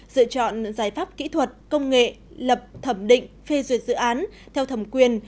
dựa chọn giải pháp kỹ thuật công nghệ lập thẩm định phê duyệt dự án theo thẩm quyền